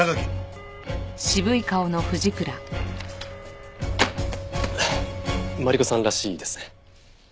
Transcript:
フフマリコさんらしいですね。